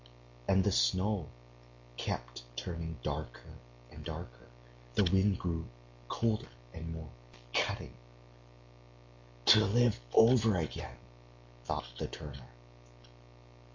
And the snow kept turning darker and darker, the wind grew colder and more cutting.... "To live over again!" thought the turner.